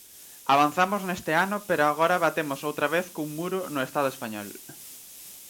Avanzamos neste ano pero agora batemos outra vez cun muro no Estado español.